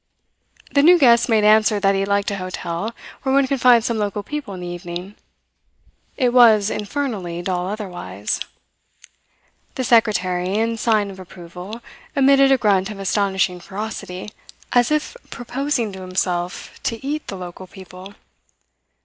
The new guest made answer that he liked a hotel where one could find some local people in the evening. It was infernally dull otherwise. The secretary, in sign of approval, emitted a grunt of astonishing ferocity, as if proposing to himself to eat the local people.